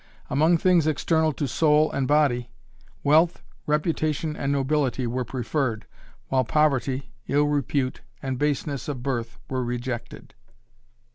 Among things external to soul and body, wealth, reputation, and nobility were preferred, while poverty, ill repute, and baseness of birth were rejected.